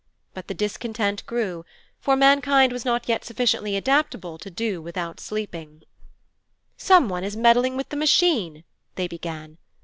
But the discontent grew, for mankind was not yet sufficiently adaptable to do without sleeping. 'Some one is meddling with the Machine ' they began.